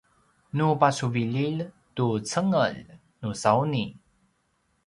nu pasuvililj tu cengelj nusauni